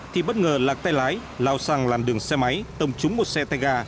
thì bất ngờ lạc tay lái lao sang làn đường xe máy tông trúng một xe tay ga